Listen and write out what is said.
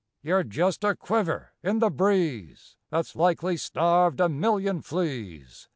You're jest a quiver in the breeze That's likely starved a million fleas.